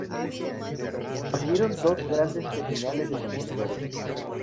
Abrieron dos grandes terminales de contenedores.